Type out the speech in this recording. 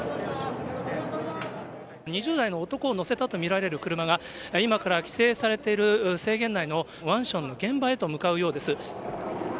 ２０代の男を乗せたと見られる車が、今から規制されている制限内のマンションの現場へと向かうようです。